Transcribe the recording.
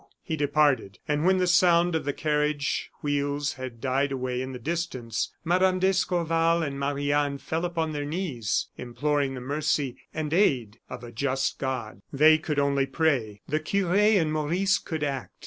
He departed; and when the sound of the carriage wheels had died away in the distance, Mme. d'Escorval and Marie Anne fell upon their knees, imploring the mercy and aid of a just God. They could only pray. The cure and Maurice could act.